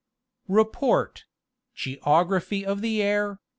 49 REPORT—GEOGRAPHY OF THE AIR.